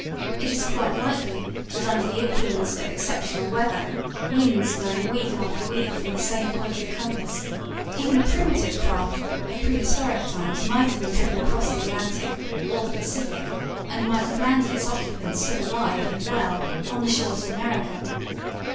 It is quite likely that under the influence of exceptional weather winds blowing week after week from the same point of the compass even a primitive craft of prehistoric times might have been driven across the Atlantic or the Pacific, and might have landed its occupants still alive and well on the shores of America.